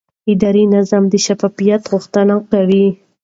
اداري نظام د شفافیت غوښتنه کوي.